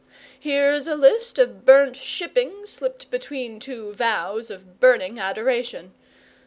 Here's a list of burnt shipping slipped between two vows of burning adoration.